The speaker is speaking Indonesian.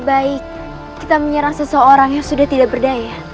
baik kita menyerang seseorang yang sudah tidak berdaya